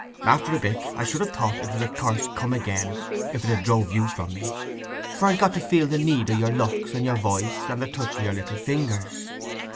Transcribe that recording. After a bit, I should have thought it was a curse come again, if it had drove you from me, for I'd got to feel the need o' your looks and your voice and the touch o' your little fingers.